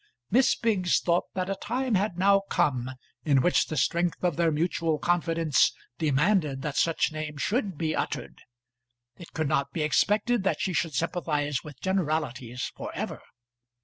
Miss Biggs thought that a time had now come in which the strength of their mutual confidence demanded that such name should be uttered. It could not be expected that she should sympathise with generalities for ever.